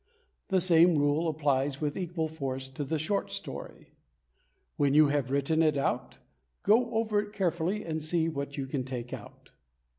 The same rule applies with equal force to the short story: "When you have written it out, go over it carefully, and see what you can take out."